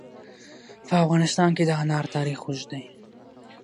په افغانستان کې د انار تاریخ اوږد دی.